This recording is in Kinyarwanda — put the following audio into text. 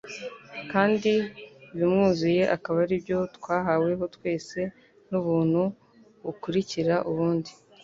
"Kandi ibimwuzuye akaba aribyo twahaweho twese ni ubuntu bukurikira ubundi."